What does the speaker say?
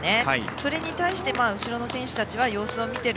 それに対して、後ろの選手たちは様子を見ている。